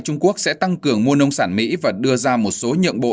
trung quốc sẽ tăng cấp nộp thuế tăng cường mua nông sản mỹ và đưa ra một số nhượng bộ